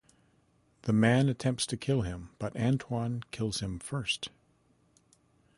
The man attempts to kill him but Antoine kills him first.